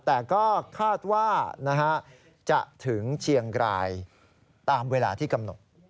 แต่ก็คาดว่าจะถึงเชียงรายตามเวลาที่กำหนด